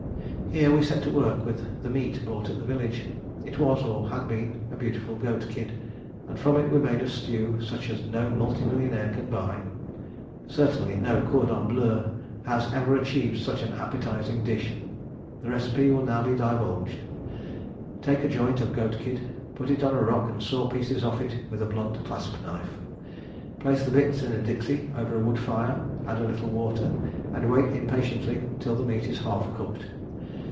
Here we set to work with the meat bought at the village. It was, or had been, a beautiful goat kid, and from it we made a stew such as no multi millionaire can buy. Certainly no "Cordon bleu" has ever achieved such an appetising dish. The recipe will now be divulged: Take a joint of goat kid, put it on a rock and saw pieces off it with a blunt clasp knife. Place the bits in a dixie over a wood fire, add a little water, and wait impatiently till the meat is half cooked.